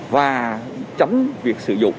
và chấm việc sử dụng